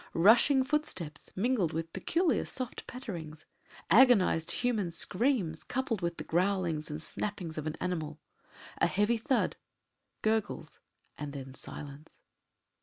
Rushing footsteps mingled with peculiar soft patterings; agonized human screams coupled with the growls and snappings of an animal; a heavy thud; gurgles; and then silence.